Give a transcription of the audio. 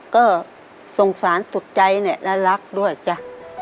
ก็สงสารสุดใจเนี่ยและรักด้วยจ้ะ